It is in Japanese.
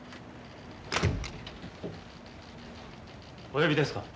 お呼びですか。